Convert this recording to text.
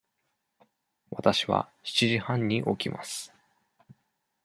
わたしは七時半に起きます。